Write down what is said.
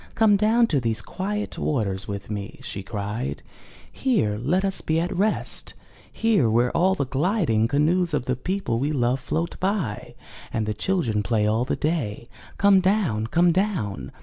come down to these quiet waters with me!'* she cried. Here let us be at rest — here where the gHding canoes of the people we love float by, and the children play all the day. Come down! Come down!''